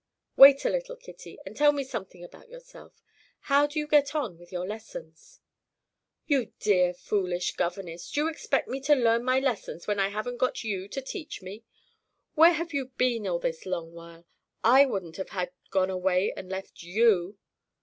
"Wait a little, Kitty, and tell me something about yourself. How do you get on with your lessons?" "You dear foolish governess, do you expect me to learn my lessons, when I haven't got you to teach me? Where have you been all this long while? I wouldn't have gone away and left _you!